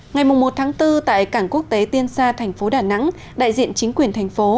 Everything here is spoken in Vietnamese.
ngày một tháng bốn tại cảng quốc tế tiên sa thành phố đà nẵng đại diện chính quyền thành phố